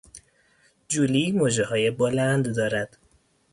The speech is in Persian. جولی مژههای بلند دارد.